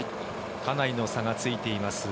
かなりの差がついています。